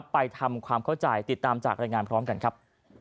ไปทำความเข้าใจติดตามจากรายงานพร้อมกันครับ